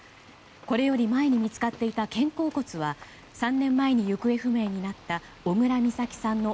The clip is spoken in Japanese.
これより前に見つかっていた肩甲骨は３年前に行方不明になった小倉美咲さんの